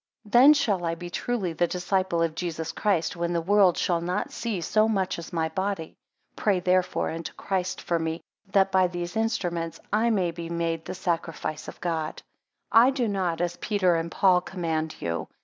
5 Then shall I be truly the disciple of Jesus Christ, when the world shall not see so much as my body. Pray therefore unto Christ for me, that by these instruments I may be made the sacrifice of God. 6 I do not, as Peter and Paul, command you.